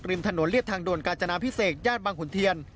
ริมถนนเรียบทางโดนกาจนามพิเศษญาติบางขุนเทียน